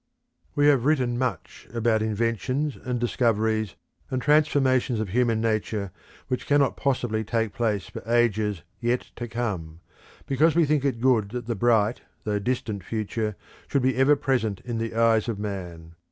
We have written much about inventions and discoveries and transformations of human nature which cannot possibly take place for ages yet to come, because we think it good that the bright though distant future should be ever present in the eyes of man.